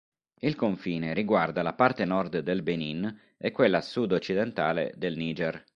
Il confine riguarda la parte nord del Benin e quella sud-occidentale del Niger.